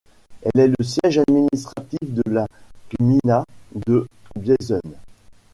Elle est le siège administratif de la gmina de Bieżuń.